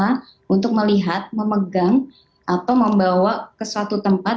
bagaimana untuk melihat memegang atau membawa ke suatu tempat